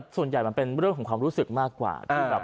ส่วนใหญ่มันเป็นเรื่องของความรู้สึกมากกว่า